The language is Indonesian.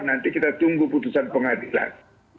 nanti kita tunggu putusan pengadilan